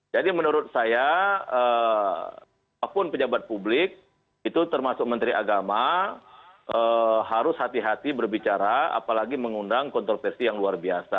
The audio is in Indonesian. menurut saya apapun pejabat publik itu termasuk menteri agama harus hati hati berbicara apalagi mengundang kontroversi yang luar biasa